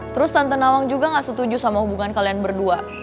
terus tante nawang juga gak setuju sama hubungan kalian berdua